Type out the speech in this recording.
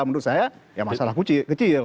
menurut saya ya masalah kuci kecil